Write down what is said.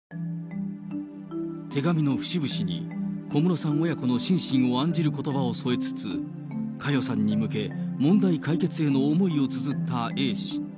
手紙の節々に、小室さん親子の心身を案じることばを添えつつ、佳代さんに向け、問題解決への思いをつづったＡ氏。